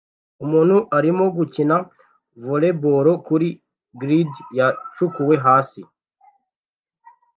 Umuntu arimo gukina volly boll kuri gride yacukuwe hasi